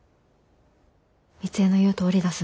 みつえの言うとおりだす。